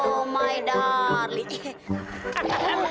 oh my darling